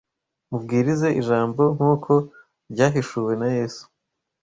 Mubwirize ijambo nk’uko ryahishuwe na Yesu. …